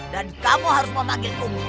dan kamu harus memanggil umur